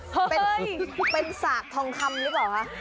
เป็นสากทองคำหรือเปล่าคะ